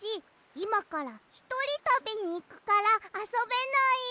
いまからひとりたびにいくからあそべない。